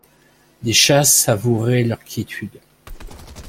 Des chats savouraient leur quiétude.